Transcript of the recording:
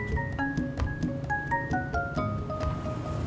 ya makasih ya